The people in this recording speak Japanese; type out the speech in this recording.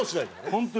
本当に。